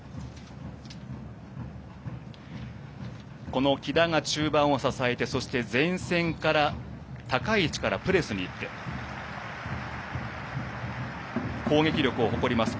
この喜田が中盤を支えてそして前線から高い位置でプレスに行って攻撃力を誇ります